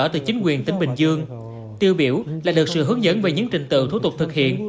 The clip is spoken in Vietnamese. tiêu biểu là được sự hướng dẫn về những trình tựu thủ tục thực hiện